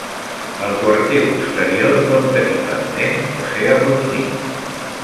El quarter posterior pot tenir pendent o ser arrodonit.